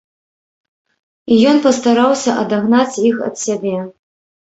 І ён пастараўся адагнаць іх ад сябе.